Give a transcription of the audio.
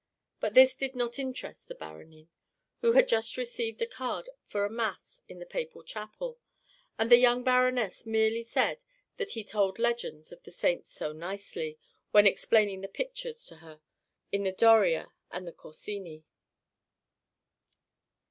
But this did not interest the Baronin, who had just received a card for a mass in the papal chapel; and the young Baronesse merely said that he told legends of the saints so nicely, when explaining the pictures to her in the Doria and the Corsini.